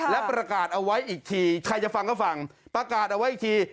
และประกาศเอาไว้อีกที